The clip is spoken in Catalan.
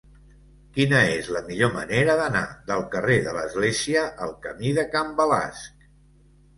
Quina és la millor manera d'anar del carrer de l'Església al camí de Can Balasc?